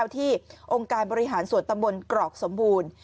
ที่องค์การบริหารส่วนตำบลกรอกสมบูรณ์